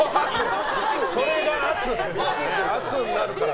それが圧になるから！